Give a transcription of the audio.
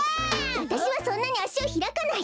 わたしはそんなにあしをひらかない！